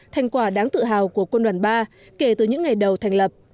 thành quả đáng tự hào của quân đoàn ba kể từ những ngày đầu thành lập